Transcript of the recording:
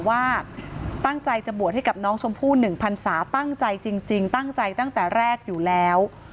ว่าตั้งใจจะบวชให้กับน้องชมพู่๑พันศาตั้งใจจริงตั้งใจตั้งแต่แรกอยู่แล้ว